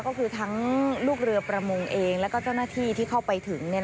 ก็คือทั้งลูกเรือประมงเองแล้วก็เจ้าหน้าที่ที่เข้าไปถึง